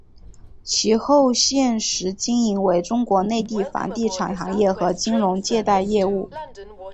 其后现时经营为中国内地房地产行业和金融借贷业务。